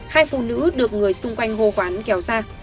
hai phụ nữ được người xung quanh hồ quán kéo ra